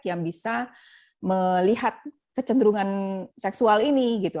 yang bisa melihat kecenderungan seksual ini gitu